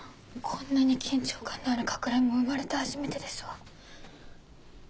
こんなに緊張感のあるかくれんぼ生まれて初めてですわ。